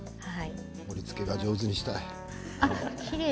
盛りつけを上手にしたい。